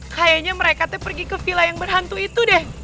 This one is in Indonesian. kayaknya mereka tuh pergi ke villa yang berhantu itu deh